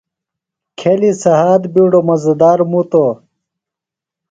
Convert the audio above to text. کھیلیُ سھات بِیڈوۡ مزہ دار مُتوۡ۔